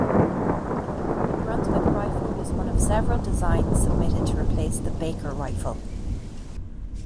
The Brunswick rifle was one of several designs submitted to replace the Baker rifle.